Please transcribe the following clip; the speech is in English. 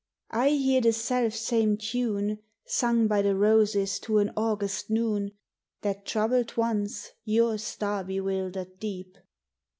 I hear the self same tune Sung by the roses to an August noon, That troubled once your star bewildered deep.